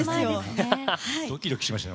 ドキドキしましたよ